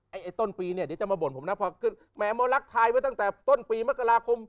ไอ้ต้นปีเนี่ยเดี๋ยวจะมาบ่นผมนะพอขึ้นแหมหมอลักษ์ทายไว้ตั้งแต่ต้นปีมกราคม